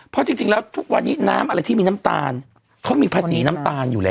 เพราะจริงแล้วทุกวันนี้น้ำอะไรที่มีน้ำตาลเขามีภาษีน้ำตาลอยู่แล้ว